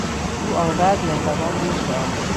او آنقدر مهربان بود که آمد.